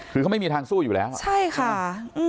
คือเขาไม่มีทางสู้อยู่แล้วอ่ะใช่ค่ะ